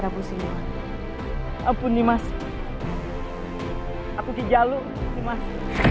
busi apun dimasuki aku ke jalur mas